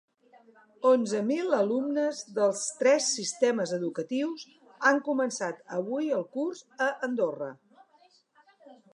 Onzen mil alumnes dels tres sistemes educatius han començat avui el curs a Andorra.